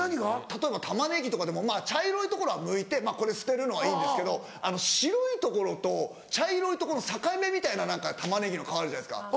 例えばタマネギとかでも茶色いところはむいて捨てるのはいいんですけど白いところと茶色いとこの境目みたいなタマネギの皮あるじゃないですか。